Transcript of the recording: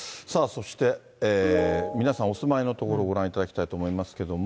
そして、皆さんお住まいの所ご覧いただきたいと思いますけれども。